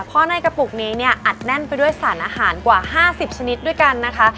เพราะในกระปุกนี้เนี่ยอัดแน่นไปด้วยสารอาหารกว่า๕๐ชนิดด้วยกันนะคะ